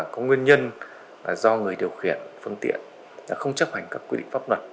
có nguyên nhân do người điều khiển phương tiện không chấp hành các quy định pháp luật